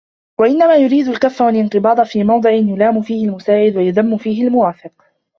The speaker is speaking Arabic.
وَإِنَّمَا يُرِيدُ الْكَفَّ وَالِانْقِبَاضَ فِي مَوْضِعٍ يُلَامُ فِيهِ الْمُسَاعِدُ وَيُذَمُّ فِيهِ الْمُوَافِقُ